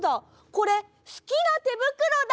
これすきなてぶくろだ！